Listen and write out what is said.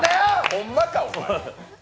ホンマかお前。